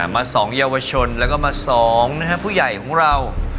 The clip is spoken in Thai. มา๒เยาวชนแล้วก็มา๒นะฮะผู้ใหญ่ของเรา